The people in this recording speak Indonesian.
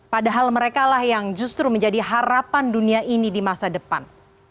padahal mereka lah yang justru menjadi harapan dunia ini di masa depan